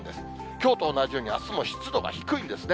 きょうと同じようにあすも湿度が低いんですね。